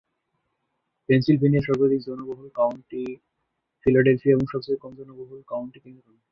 পেনসিলভেনিয়ার সর্বাধিক জনবহুল county Philadelphia এবং সবচেয়ে কম জনবহুল কাউন্টি ক্যামেরন।